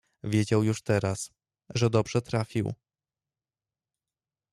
Wiedział już teraz, że dobrze trafił.